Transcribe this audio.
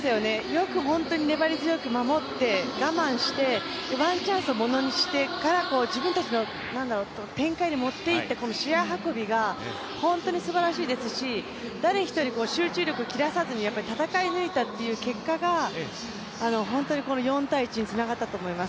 よく粘り強く守って我慢して、ワンチャンスをものにしてから自分たちの展開に持っていってこの試合運びが本当にすばらしいですし、誰一人、集中力を切らさずに戦い抜いたって結果が本当に４−１につながったと思います。